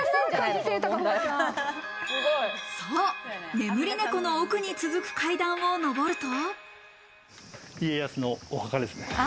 眠り猫の奥に続く階段を上ると。